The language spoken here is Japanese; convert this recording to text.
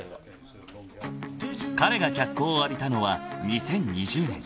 ［彼が脚光を浴びたのは２０２０年］